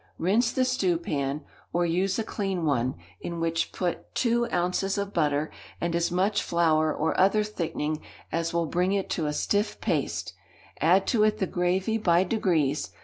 Rinse the stewpan, or use a clean one, in which put two ounces of butter, and as much flour or other thickening as will bring it to a stiff paste; add to it the gravy by degrees.